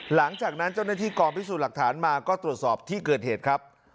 หลังจากนั้นเจ้าหน้าที่กองพิสูจน์หลักฐานมาก็ตรวจสอบที่เกิดเหตุครับ